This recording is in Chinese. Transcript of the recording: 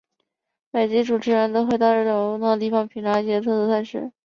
每集主持人都会到日本不同地方品尝一些特别菜式。